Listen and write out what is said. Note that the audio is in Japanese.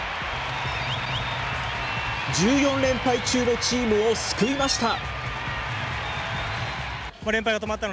１４連敗中のチームを救いました。